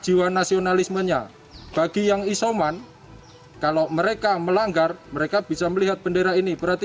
jiwa nasionalismenya bagi yang isoman kalau mereka melanggar mereka bisa melihat bendera ini berarti